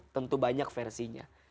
tentu banyak versinya